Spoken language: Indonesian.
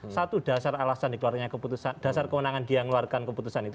satu dasar alasan dikeluarkannya keputusan dasar kewenangan dia mengeluarkan keputusan itu